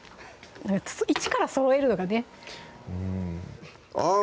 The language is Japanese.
一からそろえるのがねうんあぁ